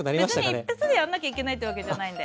別に一発でやんなきゃいけないってわけじゃないんで。